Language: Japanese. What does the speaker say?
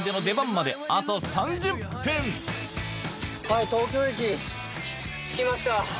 はい東京駅着きました。